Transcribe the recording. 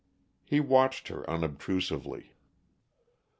He watched her unobtrusively.